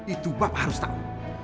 itu bapak harus tahu